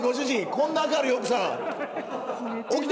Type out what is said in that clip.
こんな明るい奥さん。